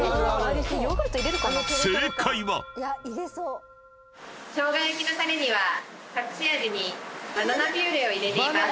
しょうが焼のタレには隠し味にバナナピューレを入れています。